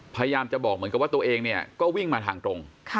พยายามจะบอกเหมือนกับว่าตัวเองเนี่ยก็วิ่งมาทางตรง